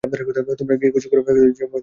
তোমরা গিয়ে খুঁজে বের করো যে ওরা কোথায় আছে।